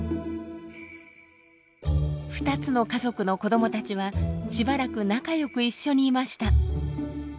２つの家族の子どもたちはしばらく仲よく一緒にいました。